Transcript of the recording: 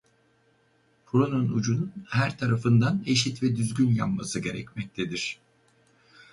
Puronun ucunun her tarafından eşit ve düzgün yanması gerekmektedir.